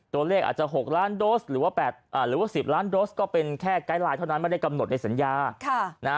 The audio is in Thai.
ตัวเลขอาจจะ๖ล้านโดสหรือว่าหรือว่า๑๐ล้านโดสก็เป็นแค่ไกด์ไลน์เท่านั้นไม่ได้กำหนดในสัญญา